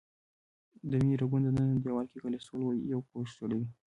د وینې رګونو دننه دیوال کې کلسترول یو پوښ جوړوي.